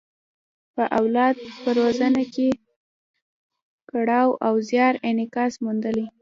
په اولاد په روزنه کې یې کړاو او زیار انعکاس موندلی.